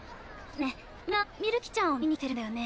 みんなみるきちゃんを見にきてるんだよね？